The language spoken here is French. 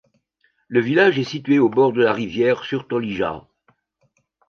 Le village est situé au bord de la rivière Surtolija.